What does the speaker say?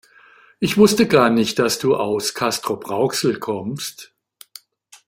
Ich wusste gar nicht, dass du aus Castrop-Rauxel kommst